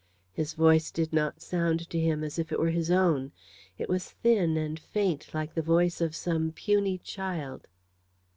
His voice did not sound to him as if it were his own. It was thin, and faint like the voice of some puny child.